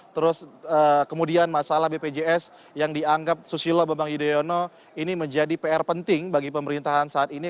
terus kemudian masalah bpjs yang dianggap susilo bambang yudhoyono ini menjadi pr penting bagi pemerintahan saat ini